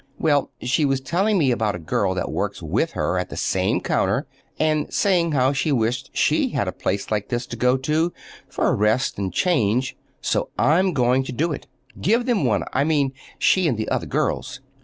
Well, she was telling me about a girl that works with her at the same counter, and saying how she wished she had a place like this to go to for a rest and change, so I'm going to do it—give them one, I mean, she and the other girls.